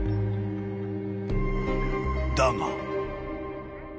［だが］